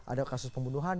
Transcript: ada kasus pembunuhan